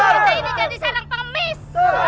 desa ini jadi sarang pemis